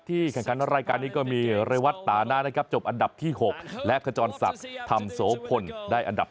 ที่การรายการนี้ก็มีไรวัฒน์ตาหน้านะครับจบอันดับที่๖และกระจอนระจ่อนศักดิ์ทำโสคนได้อันดับ